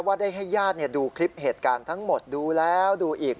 ได้ให้ญาติดูคลิปเหตุการณ์ทั้งหมดดูแล้วดูอีก